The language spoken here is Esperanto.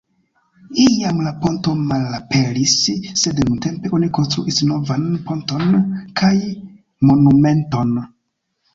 Iam la ponto malaperis, sed nuntempe oni konstruis novan ponton kaj monumenton.